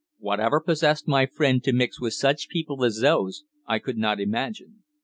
Whatever possessed my friend to mix with such people as those I could not imagine.